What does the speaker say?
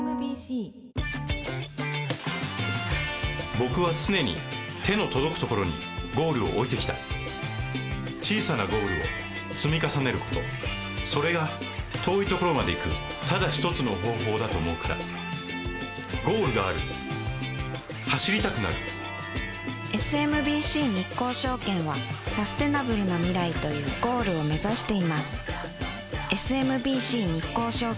僕は常に手の届くところにゴールを置いてきた小さなゴールを積み重ねることそれが遠いところまで行くただ一つの方法だと思うからゴールがある走りたくなるＳＭＢＣ日興証券はサステナブルな未来というゴールを目指していますＳＭＢＣ日興証券